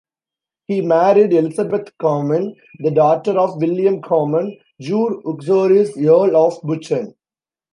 He married Elisabeth Comyn, the daughter of William Comyn, jure uxoris Earl of Buchan.